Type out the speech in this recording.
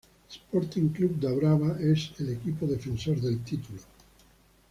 El Sporting Clube da Brava es el equipo defensor del título.